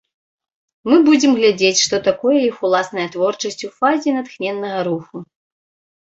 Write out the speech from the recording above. Мы будзем глядзець, што такое іх уласная творчасць у фазе натхненнага руху.